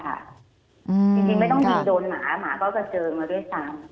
จริงไม่ต้องยิงโดนหมานะหมาก็กระเจิงเลยสาว